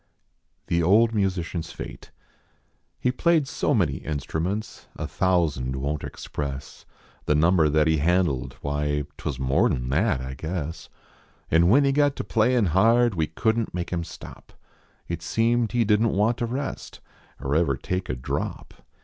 THt 01. 1) MUSICIAN S HATH lie played so many instruments A thousand won t express The number that he handled why Twas nior n that, I guess ; An" when he got to playin hard \Ye couldn t make im stop ; It seemed he didn t want to rest Er ever take a drop.